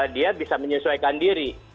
dia bisa menyesuaikan diri